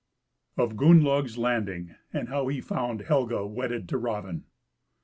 Of Gunnlaug's landing, and how he found Helga wedded to Raven.